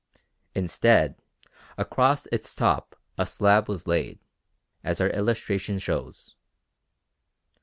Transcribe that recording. Instead, across its top a slab was laid, as our illustration shows.